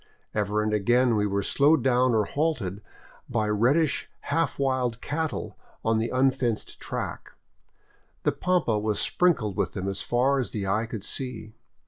Ever and again we were slowed down or halted by reddish half wild cattle on the unfenced track; the pampa was sprin kled with them as far as the eye could see.